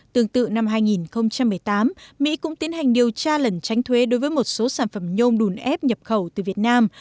tương tự năm hai nghìn một mươi tám mỹ cũng tiến hành điều tra lần tránh thuế đối với một số sản phẩm nhôm đùn ép nhập khẩu từ việt nam